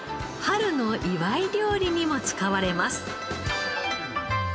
春の祝い料理にも使われます。